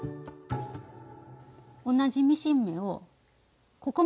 同じミシン目をここまで重ねます。